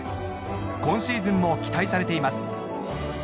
今シーズンも期待されています